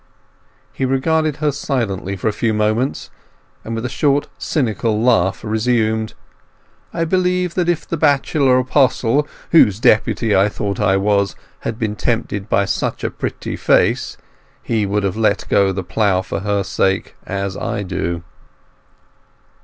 He regarded her silently for a few moments, and with a short cynical laugh resumed: "I believe that if the bachelor apostle, whose deputy I thought I was, had been tempted by such a pretty face, he would have let go the plough for her sake as I do!"